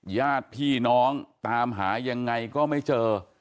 ญาติพี่น้องตามหายังไงก็ไม่เจอ